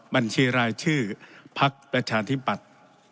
บัญชีรายชื่อพักประชาธิปัตย์